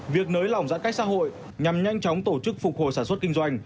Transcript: việc nới lỏng giãn cách xã hội nhằm nhanh chóng tổ chức phục hồi sản xuất kinh doanh